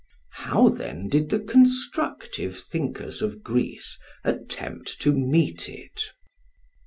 How then did the constructive thinkers of Greece attempt to meet it?